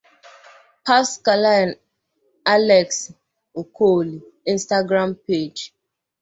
Paschaline Alex Okoli Instagram Page